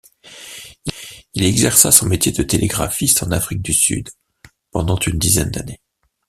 Il exerça son métier de télégraphiste en Afrique du Sud pendant une dizaine d'années.